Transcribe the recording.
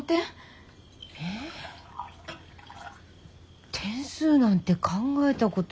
えぇ点数なんて考えたこと。